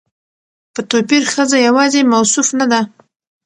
په توپير ښځه يواځې موصوف نه ده